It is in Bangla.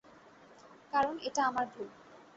কারণ, এটা আমার ভুল!